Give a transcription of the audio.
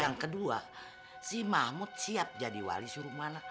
yang kedua si mahmud siap jadi wali suruh mana